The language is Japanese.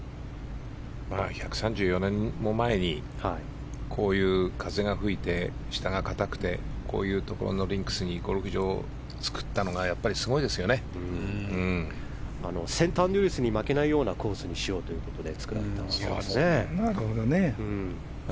１３４年も前にこういう風が吹いて下が硬くてこういうところのリンクスにゴルフ場を作ったのがセントアンドリュースに負けないようなコースにしようということで作られたそうですね。